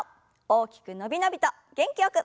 大きく伸び伸びと元気よく。